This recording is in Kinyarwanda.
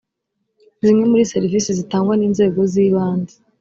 zimwe muri serivisi zitangwa n ‘inzego z’ ibanze.